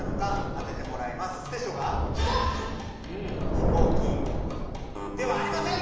飛行機ではありません！